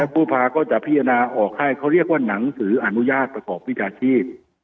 ผู้ภาก็จะพิจารณาออกให้เขาเรียกว่าหนังสืออนุญาตประกอบวิชาชีพ